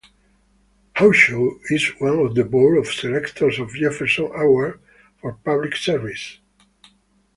Horchow is on the Board of Selectors of Jefferson Awards for Public Service.